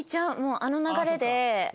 あの流れで。